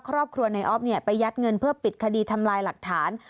ครอบครัวในออฟไปยัดเงินเพื่อปิดคดีทำลายหลักฐาน